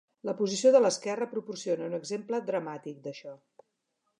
La posició de l'esquerra proporciona un exemple dramàtic d'això.